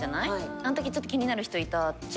あのときちょっと気になる人いたって。